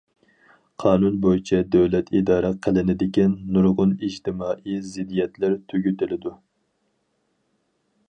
قانۇن بويىچە دۆلەت ئىدارە قىلىنىدىكەن، نۇرغۇن ئىجتىمائىي زىددىيەتلەر تۈگىتىلىدۇ.